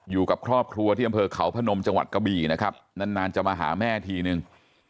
อยู่กับครอบครัวที่อำเภอเขาพนมจังหวัดกะบี่นะครับนานจะมาหาแม่ทีนึง